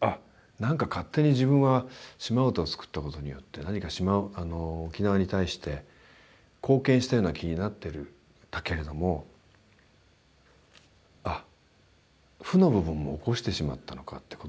あっなんか勝手に自分は「島唄」を作ったことによって何か沖縄に対して貢献したような気になってたけれどもあ負の部分も起こしてしまったのかってこと